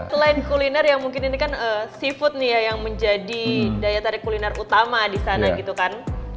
selain kuliner yang mungkin ini kan seafood nih ya yang menjadi daya tarik kuliner utama di sana gitu kan